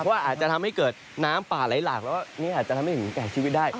เพราะว่าอาจจะทำให้เกิดน้ำป่าไหลหลากแล้วก็นี่อาจจะทำให้ถึงแก่ชีวิตได้